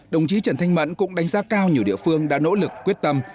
đồng chí trần thanh mẫn cũng đánh giá cao nhiều địa phương đã nỗ lực quyết tâm